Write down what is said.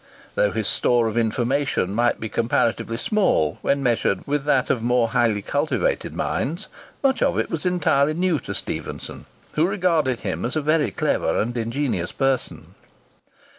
Though his store of information might be comparatively small when measured with that of more highly cultivated minds, much of it was entirely new to Stephenson, who regarded him as a very clever and ingenious person.